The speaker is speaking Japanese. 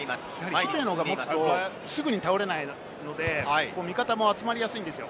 姫野が持つと、すぐに倒れないので、味方も集まりやすいんですよ。